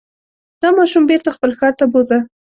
دا ماشوم بېرته خپل ښار ته بوځه.